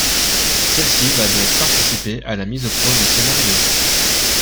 Celle-ci va donc participer à la mise au point du scénario.